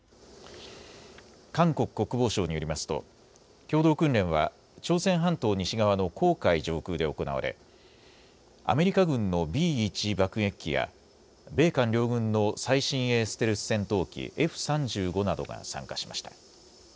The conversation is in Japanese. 韓国国防省によりますと共同訓練は朝鮮半島西側の黄海上空で行われアメリカ軍のＢ１爆撃機や米韓両軍の最新鋭ステルス戦闘機Ｆ３５などが参加しました。